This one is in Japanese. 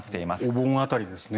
お盆辺りですね。